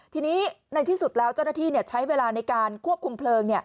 ทีนี้ในที่สุดแล้วเจ้าหน้าที่ใช้เวลาในการควบคุมเพลิง